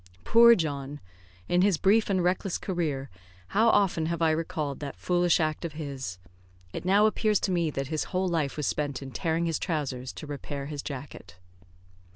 Poor John! in his brief and reckless career, how often have I recalled that foolish act of his. It now appears to me that his whole life was spent in tearing his trousers to repair his jacket.